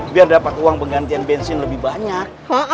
biar dapat uang penggantian bensin lebih banyak